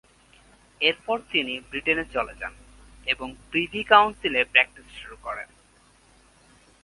এরপর তিনি ব্রিটেনে চলে যান এবং প্রিভি কাউন্সিলে প্র্যাকটিস শুরু করেন।